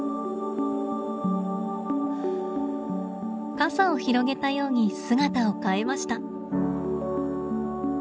傘を広げたように姿を変えました。